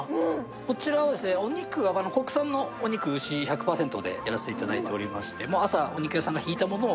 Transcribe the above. こちらはお肉が国産、お肉、牛１００％でやらせてもらっていて朝、お肉屋さんがひいたものを。